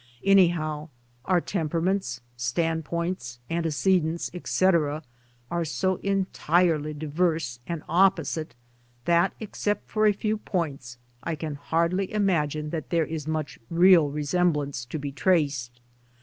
Anyhow our tem peraments, standpoints, antecedents, etc., are so entirely diverse and opposite that, except for a few points, I can hardly imagine that there is much real resemblance to be traced.